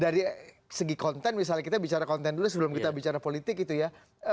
dari segi konten misalnya kita bicara konten dulu sebelum kita bicara politik gitu ya